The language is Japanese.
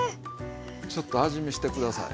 ちょっと味見して下さい。